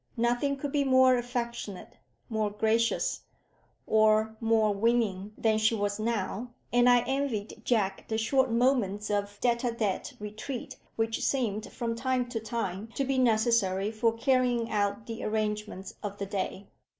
Nothing could be more affectionate, more gracious, or more winning, than she was now; and I envied Jack the short moments of tête à tête retreat which seemed from time to time to be necessary for carrying out the arrangements of the day.